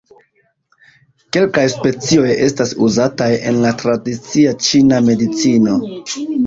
Kelkaj specioj estas uzataj en la tradicia ĉina medicino.